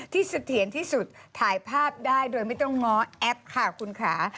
เสถียรที่สุดถ่ายภาพได้โดยไม่ต้องง้อแอปค่ะคุณค่ะ